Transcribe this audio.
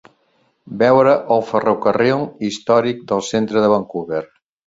Veure el ferrocarril històric del centre de Vancouver.